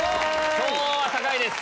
今日は高いです。